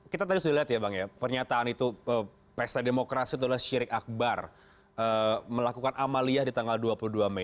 kita tadi sudah lihat ya bang ya pernyataan itu pesta demokrasi itulah syirik akbar melakukan amaliyah di tanggal dua puluh dua mei